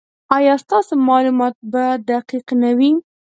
ایا ستاسو معلومات به دقیق نه وي؟